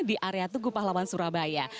di area tugu pahlawan surabaya